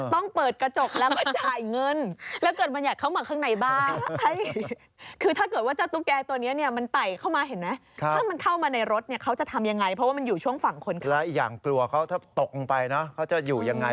ต้องเปิดกระจกแล้วมาจ่ายเงิน